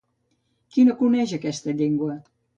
Qui no coneix aquesta llengua?